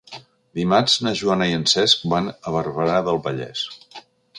Dimarts na Joana i en Cesc van a Barberà del Vallès.